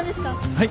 はい。